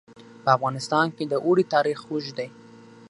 په افغانستان کې د اوړي تاریخ اوږد دی.